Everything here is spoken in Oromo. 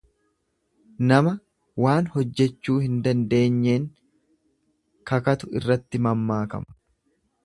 Nama waan hojjechuu hin dandeenyeen kakatu irratti mammaakama.